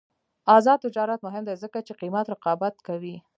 آزاد تجارت مهم دی ځکه چې قیمت رقابت کوي.